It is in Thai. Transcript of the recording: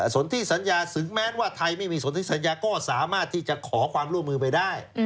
สนที่สัญญาถึงแม้ว่าไทยไม่มีสนที่สัญญาก็สามารถที่จะขอความร่วมมือไปได้